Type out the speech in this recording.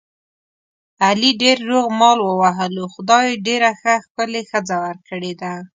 علي ډېر روغ مال ووهلو، خدای ډېره ښه ښکلې ښځه ور کړې ده.